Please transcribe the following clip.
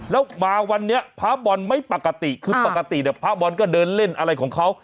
แล้วมาวันนี้พระบอลไม่ปกติคือปกติเนี่ยพระบอลก็เดินเล่นอะไรของเขา